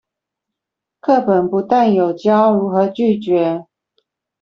課本不但有教如何拒絕